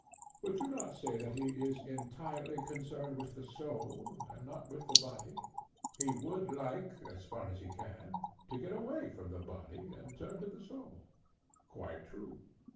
Would you not say that he is entirely concerned with the soul and not with the body? He would like, as far as he can, to get away from the body and to turn to the soul. Quite true.